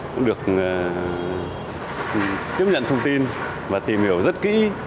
cũng được tiếp nhận thông tin và tìm hiểu rất kỹ